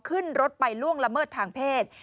ขึ้นรถไปล่วงละเมิดทางเพศ